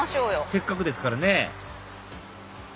せっかくですからね